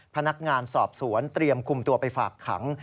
พนักงานสอบสวนเตรียมคุมตัวไปฝากขัง